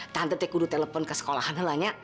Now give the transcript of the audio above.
tante tidak bisa telepon ke sekolahnya ya